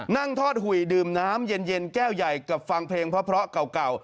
นั่งทอดหุยดื่มน้ำเย็นแก้วใหญ่กับฟังเพลงเพราะเก่า